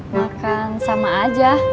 makan sama aja